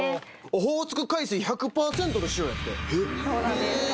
オホーツク海水１００％の塩やってそうなんです